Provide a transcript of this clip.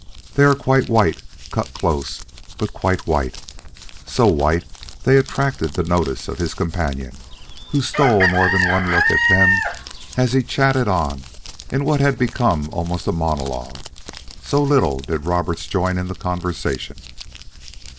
They are quite white cut close, but quite white, so white they attracted the notice of his companion, who stole more than one look at them as he chatted on in what had become almost a monologue, so little did Roberts join in the conversation.